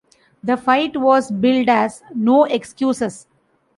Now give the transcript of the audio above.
The fight was billed as "No Excuses".